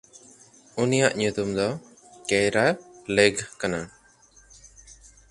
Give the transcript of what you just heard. ᱩᱱᱤᱭᱟᱜ ᱧᱩᱛᱩᱢ ᱫᱚ ᱠᱮᱭᱨᱟᱼᱞᱮᱭᱜᱷ ᱠᱟᱱᱟ᱾